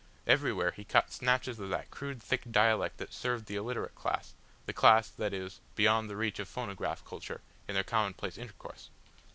Everywhere he caught snatches of that crude thick dialect that served the illiterate class, the class, that is, beyond the reach of phonograph culture, in their commonplace intercourse.